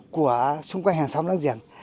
của xung quanh hàng xóm lãng giềng